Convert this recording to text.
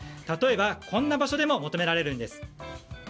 例えば、こんな場所でも求められるんです。